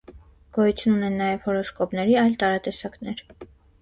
Գոյություն ունեն նաև հորոսկոպների այլ տարատեսակներ։